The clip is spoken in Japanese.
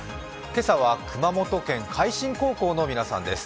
今朝は熊本県開新高校の皆さんです。